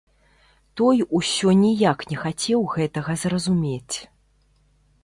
Той усё ніяк не хацеў гэтага зразумець.